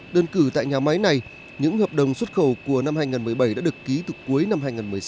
đơn cử tại nhà máy này những hợp đồng xuất khẩu của năm hai nghìn một mươi bảy đã được ký từ cuối năm hai nghìn một mươi sáu